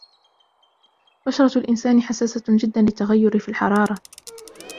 بشرة الإنسان حساسةٌ جدا للتغير في الحرارة.